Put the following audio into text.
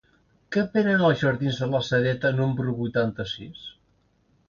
Què venen als jardins de la Sedeta número vuitanta-sis?